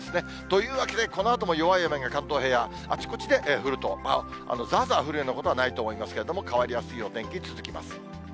というわけで、このあとも弱い雨が関東平野、あちこちで降ると、まあざーざー降るようなことはないと思いますけれども、変わりやすいお天気、続きます。